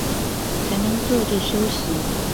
才能坐著休息